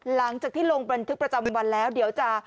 หลังจากที่ลงบันทึกประจำวันแล้วเดี๋ยวจะ